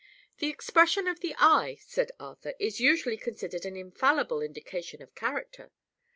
"The expression of the eye," said Arthur, "is usually considered an infallible indication of character."